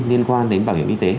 liên quan đến bảo hiểm y tế